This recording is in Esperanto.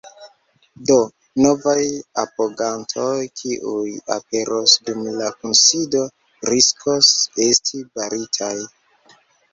Do novaj apogantoj, kiuj aperos dum la kunsido, riskos esti baritaj.